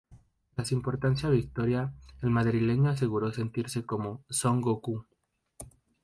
Tras esta importante victoria, el madrileño aseguró sentirse "como Son Goku".